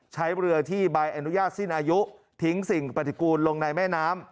ใช้เรือที่ใบอนุญาตสิ้นอายุทิ้งสิ่งปฏิกูลลงในแม่น้ำ